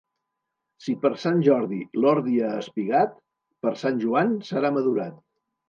Si per Sant Jordi l'ordi ha espigat, per Sant Joan serà madurat.